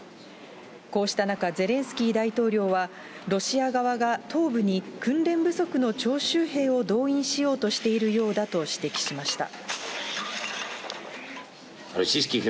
こうした中、ゼレンスキー大統領は、ロシア側が東部に訓練不足の徴集兵を動員しようとしているようだと指摘しました。